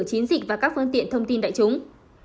chiến dịch và các phương tiện thông tin đại chúng